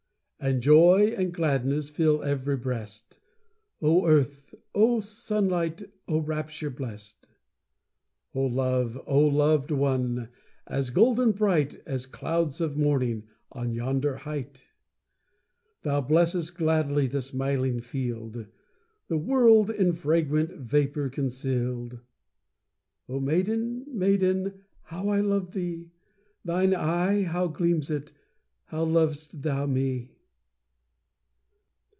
And joy and gladness Fill ev'ry breast! Oh earth! oh sunlight! Oh rapture blest! Oh love! oh loved one! As golden bright, As clouds of morning On yonder height! Thou blessest gladly The smiling field, The world in fragrant Vapour conceal'd. Oh maiden, maiden, How love I thee! Thine eye, how gleams it! How lov'st thou me!